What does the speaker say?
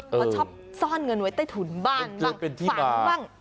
เขาชอบซ่อนเงินไว้ใต้ถุนบ้านบ้างเป็นที่มาฝังบ้าง